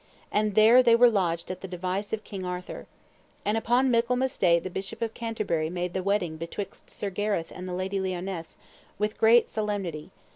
And there they were lodged at the device of King Arthur. And upon Michaelmas Day the Bishop of Canterbury made the wedding betwixt Sir Gareth and the Lady Lionesse with great solemnity.